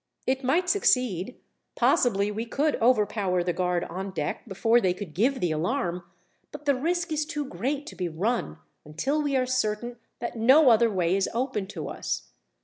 It might succeed possibly we could overpower the guard on deck before they could give the alarm but the risk is too great to be run, until we are certain that no other way is open to us.